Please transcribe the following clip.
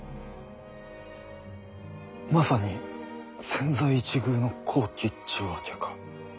まさに千載一遇の好機っちゅうわけか。